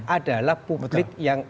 adalah publik yang